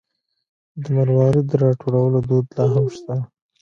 د مروارید د راټولولو دود لا هم شته.